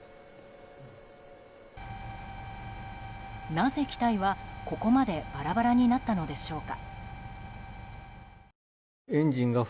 なぜ機体はここまでバラバラになったのでしょうか。